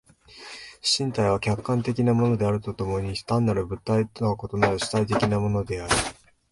身体は客観的なものであると共に単なる物体とは異なる主体的なものであり、